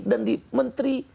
dan di menteri